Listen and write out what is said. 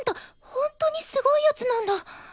ほんとにすごい奴なんだ。